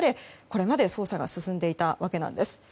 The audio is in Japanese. これまで捜査が進んでいたわけなんです。